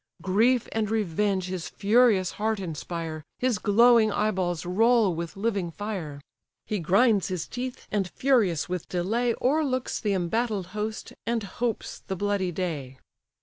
Grief and revenge his furious heart inspire, His glowing eyeballs roll with living fire; He grinds his teeth, and furious with delay O'erlooks the embattled host, and hopes the bloody day.